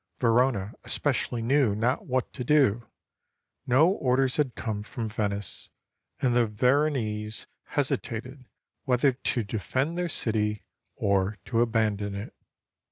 Verona especially knew not what to do. No orders had come from Venice, and the Veron ese hesitated whether to defend their city or to abandon it.